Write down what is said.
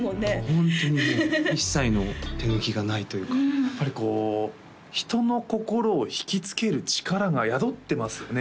ホントに一切の手抜きがないというかやっぱりこう人の心をひきつける力が宿ってますよね